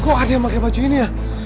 kok ada yang pakai baju ini ya